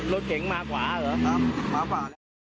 อ๋อรถเก่งมาขวาเหรอครับมาขวา